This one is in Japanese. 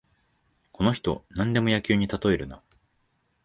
この人、なんでも野球にたとえるな